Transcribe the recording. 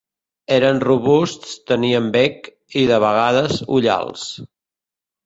Eren robusts, tenien bec i, de vegades, ullals.